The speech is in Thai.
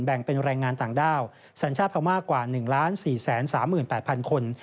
แบ่งเป็นแรงงานต่างด้าวสัญชาติพม่ากว่า๑๔๓๘๐๐คน